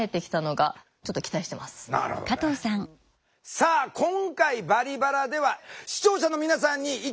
さあ今回「バリバラ」では視聴者の皆さんに意見を募集しました。